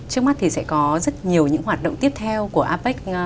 trước mắt thì sẽ có rất nhiều những hoạt động tiếp theo của apec